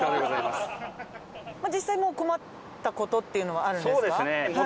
実際も困った事っていうのはあるんですか？